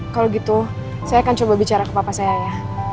kalau gitu saya akan coba bicara ke papa saya ya